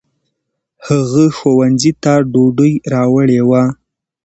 هغه ښوونځي ته ډوډۍ راوړې وه.